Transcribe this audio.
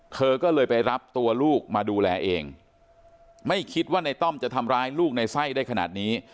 เธอก็เลยไปรับตัวลูกมาดูแลเองไม่คิดว่าในต้อมจะทำร้ายลูกในไส้ได้ขนาดนี้